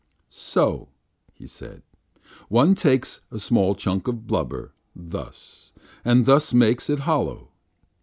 "So," he said, "one takes a small chunk of blubber, thus, and thus makes it hollow.